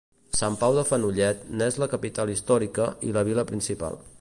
Sant Pau de Fenollet n'és la capital històrica i la vila principal.